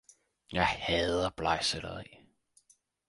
Jeg hader blegselleri